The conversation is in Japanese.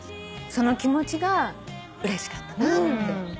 その気持ちがうれしかったなって。